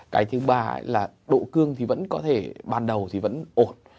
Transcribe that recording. cái thứ ba là độ cương thì vẫn có thể ban đầu thì vẫn ổn